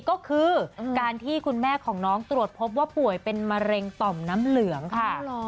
ก็คือการที่คุณแม่ของน้องตรวจพบว่าป่วยเป็นมะเร็งต่อมน้ำเหลืองค่ะ